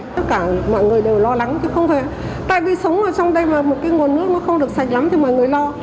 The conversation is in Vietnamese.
tất cả mọi người đều lo lắng chứ không phải tại vì sống ở trong đây mà một cái nguồn nước nó không được sạch lắm thì mọi người lo